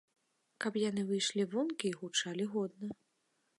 Каб яны выйшлі вонкі і гучалі годна.